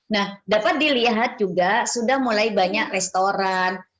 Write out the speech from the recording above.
nah dapat dilihat juga sudah mulai banyak restoran